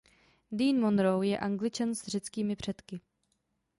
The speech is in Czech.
Dean Monroe je Angličan s řeckými předky.